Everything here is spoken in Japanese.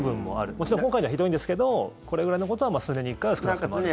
もちろん今回のはひどいんですけどこれぐらいのことは数年に１回は少なくともあるっていう。